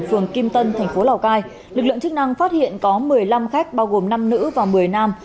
phường kim tân thành phố lào cai lực lượng chức năng phát hiện có một mươi năm khách bao gồm năm nữ và một mươi nam